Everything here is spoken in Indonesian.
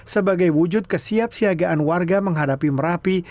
sebagai wujud kesiap siagaan warga menghadapi merapi